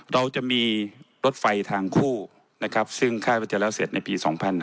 เราจะมีรถไฟทางคู่ซึ่งค่าจะเสร็จในปี๒๕๗๘